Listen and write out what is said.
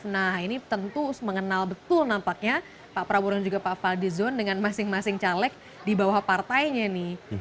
nah ini tentu mengenal betul nampaknya pak prabowo dan juga pak fadlizon dengan masing masing caleg di bawah partainya nih